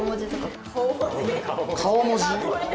顔文字？